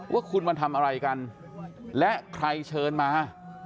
ว่าคุณมาทำอะไรกันและใครเชิญมา